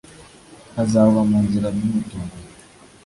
azagwa mu nzira bimutunguye